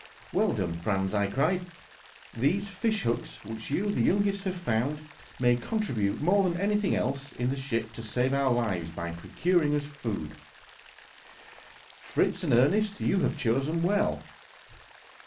"Well done, Franz," cried I; "these fish hooks, which you, the youngest, have found, may contribute more than anything else in the ship to save our lives by procuring food for us. Fritz and Ernest, you have chosen well."